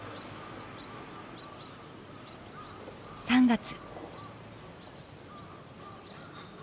３月。